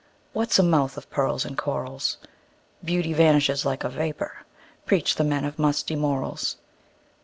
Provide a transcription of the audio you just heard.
What 's a mouth of pearls and corals? Beauty vanishes like a vapor, Preach the men of musty morals!